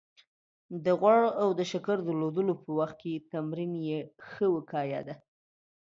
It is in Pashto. د غوړ او د شکر درلودلو په وخت کې تمرین يې ښه وقايه ده